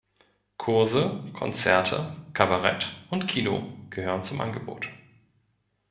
Kurse, Konzerte, Kabarett und Kino gehören zum Angebot.